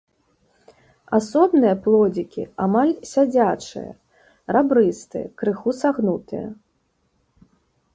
Асобныя плодзікі амаль сядзячыя, рабрыстыя, крыху сагнутыя.